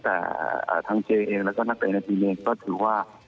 แต่ทั้งเจเองและก็นักตัวเนอร์ทีเองก็ถือว่า